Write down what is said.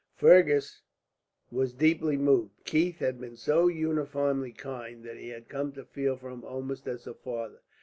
Fergus was deeply moved. Keith had been so uniformly kind that he had come to feel for him almost as a father.